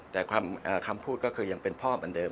แต่คำพูดก็คือยังเป็นพ่อเหมือนเดิม